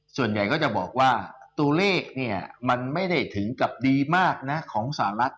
ส่วนใหญ่ก็จะบอกว่าตัวเลขเนี่ยมันไม่ได้ถึงกับดีมากนะของสหรัฐ